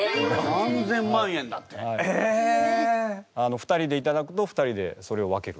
２人でいただくと２人でそれを分ける。